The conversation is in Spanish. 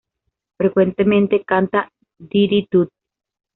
Frecuentemente canta "di-dit-du".